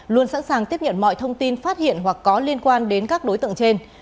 luôn sẵn sàng tiếp nhận mọi thông tin phát hiện hoặc có liên quan đến các đối tượng trên